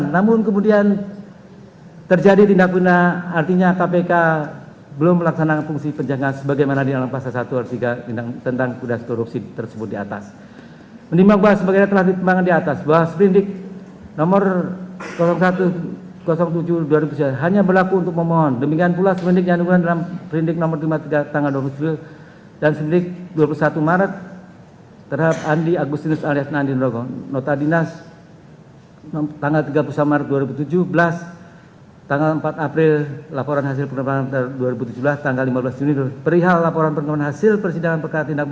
dan memperoleh informasi yang benar jujur tidak diskriminasi tentang kinerja komisi pemberantasan korupsi harus dipertanggungjawab